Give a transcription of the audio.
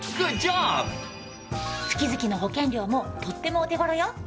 月々の保険料もとってもお手頃よ。